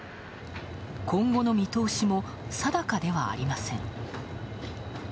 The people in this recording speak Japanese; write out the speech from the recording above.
今後の見通しも定かではありません。